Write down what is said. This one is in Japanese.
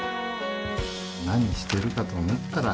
何してるかと思ったら。